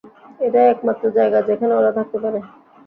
এটাই একমাত্র জায়গা যেখানে ওরা থাকতে পারে!